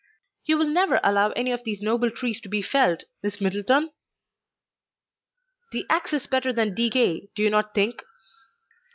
"You will never allow any of these noble trees to be felled, Miss Middleton?" "The axe is better than decay, do you not think?"